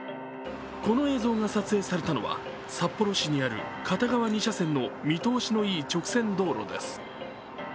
この映像が撮影されたのは札幌市にある片側２車線の見通しのいい直線道路です。